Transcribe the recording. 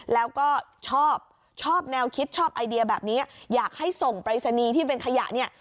แล้วก็ชอบชอบแนวคิดชอบไอเดียแบบนี้อยากให้ส่งปรายศนีย์ที่เป็นขยะเนี่ย